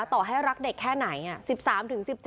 ต่อให้รักเด็กแค่ไหน้า๑๓๑๗